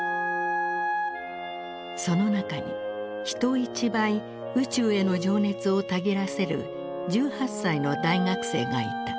その中に人一倍宇宙への情熱をたぎらせる１８歳の大学生がいた。